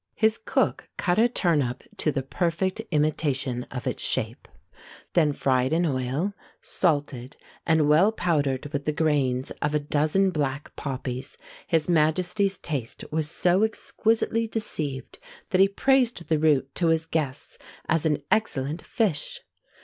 His cook cut a turnip to the perfect imitation of its shape; then fried in oil, salted, and well powdered with the grains of a dozen black poppies, his majesty's taste was so exquisitely deceived, that he praised the root to his guests as an excellent fish.